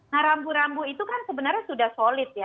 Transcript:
nah rambu rambu itu kan sebenarnya sudah solid ya